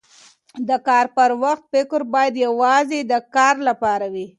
د کار پر وخت فکر باید یواځې د کار لپاره وي.